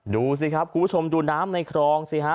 ดูสิครับคุณผู้ชมดูน้ำในครองสิฮะ